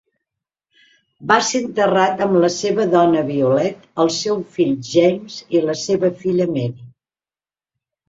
Va ser enterrat amb la seva dona Violet, el seu fill James i la seva filla Mary.